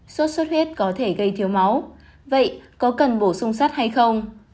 sốt xuất huyết có thể gây thiếu máu vậy có cần bổ sung sắt hay không